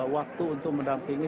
waktu untuk mendampingi